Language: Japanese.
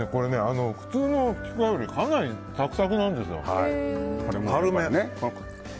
普通のちくわよりかなりサクサクなんですよ。